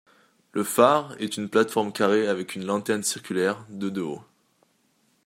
Le phare est une plateforme carrée avec une lanterne circulaire de de haut.